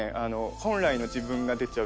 本来の自分が出ちゃうというか。